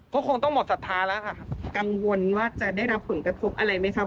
ก็คงต้องหมดศรัทธาแล้วค่ะกังวลว่าจะได้รับผลกระทบอะไรไหมครับ